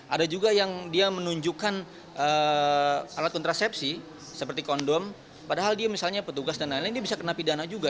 ada juga yang dia menunjukkan alat kontrasepsi seperti kondom padahal dia misalnya petugas dan lain lain dia bisa kena pidana juga